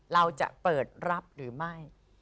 เราจะเปิดรับหรือไม่